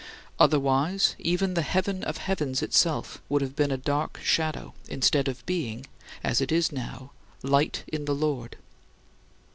Otherwise, even the heaven of heavens itself would have been a dark shadow, instead of being, as it is now, light in the Lord.